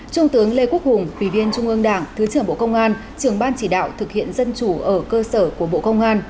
trung tướng lê quốc hùng ủy viên trung ương đảng thứ trưởng bộ công an trưởng ban chỉ đạo thực hiện dân chủ ở cơ sở của bộ công an